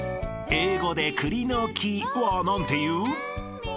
［英語で「栗の木」は何て言う？］